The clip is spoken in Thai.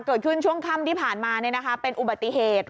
เกิดขึ้นช่วงค่ำที่ผ่านมาเป็นอุบัติเหตุ